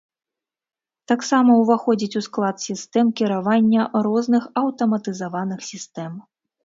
Таксама ўваходзіць у склад сістэм кіравання розных аўтаматызаваных сітсэм.